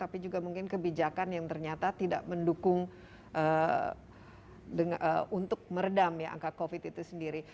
tapi juga mungkin kebijakan yang ternyata tidak mendukung untuk meredam ya angka covid itu sendiri